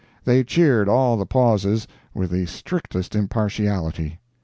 They cheered all the pauses, with the strictest impartiality.